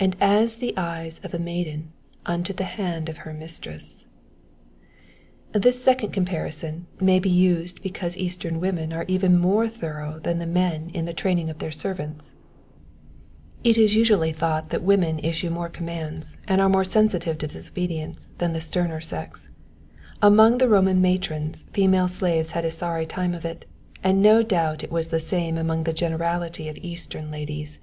^^And as the eyes of a maiden unto the hand of her mistress ;^^ this second comparison may be used because Eastern women are even more thorough than the men in the training of their servants. It is usually thought that women issue more commands, and are more sensitive of dis obedience, than the sterner sex. Among the Roman matrons female slaves had a sorry time of it, and no doubt it was the same amonj? the generality of Eastern ladies.